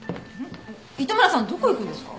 糸村さんどこ行くんですか？